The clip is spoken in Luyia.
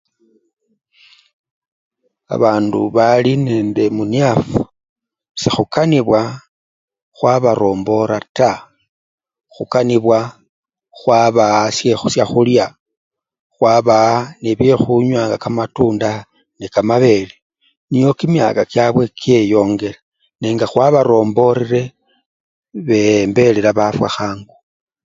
Abandu bali nende munyafu, sekhukanibwa khwabarombola taa khukanibwa khwabaa sye! syakhulya khwabaa nebyekhunywa nga kamatunda, nekamabele niokimyaka kyabwe kyeyongela nenga khwabarombolile, beyembelela bafwa khangu.